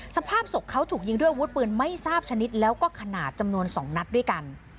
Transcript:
สภาพศพเขาถูกยิงด้วยอาวุธปืนไม่ทราบชนิดแล้วก็ขนาดจำนวน๒นัดด้วยกัน